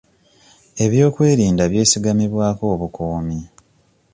Eby'okwerinda byesigamibwako obukuumi.